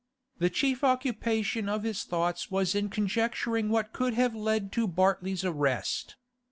The chief occupation of his thoughts was in conjecturing what could have led to Bartley's arrest.